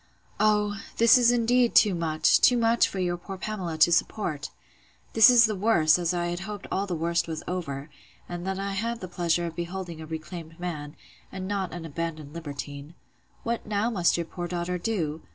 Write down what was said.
Oh! this is indeed too much, too much, for your poor Pamela to support! This is the worse, as I hoped all the worst was over; and that I had the pleasure of beholding a reclaimed man, and not an abandoned libertine. What now must your poor daughter do?